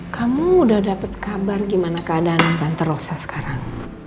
kamu udah dapet kabar gimana keadaan nanti rosa sekarang